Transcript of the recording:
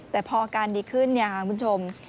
แต่พออาการดีขึ้นเนี่ยค่ะคุณผู้ชม